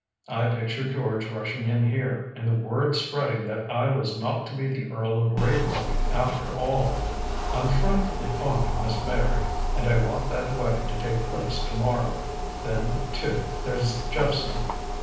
I pictured George rushing in here, and the word spreading that I was not to be the Earl of Raybrook, after all. I'm frightfully fond of Miss Meyrick, and I want that wedding to take place to morrow. Then, too, there's Jephson.